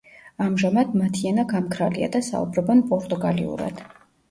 ამჟამად, მათი ენა გამქრალია და საუბრობენ პორტუგალიურად.